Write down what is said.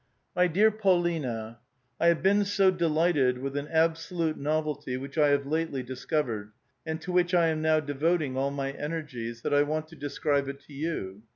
My Dear Paulina, — I have been so delighted with an absolute novelty which I have lately discovered, and to which I am now devoting all my energies, that I want to describe it to you.